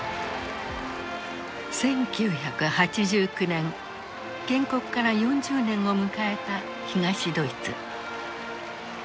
１９８９年建国から４０年を迎えた東ドイツ。